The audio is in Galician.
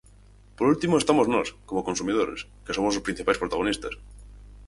Por último estamos nós, como consumidores, que somos os principais protagonistas.